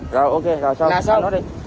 rồi rồi ok rồi xong xong nó đi